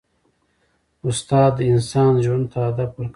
استاد د انسان ژوند ته هدف ورکوي.